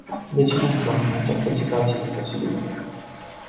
De ce ne aflăm în această situație imposibilă?